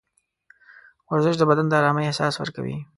ورزش د بدن د ارامۍ احساس ورکوي.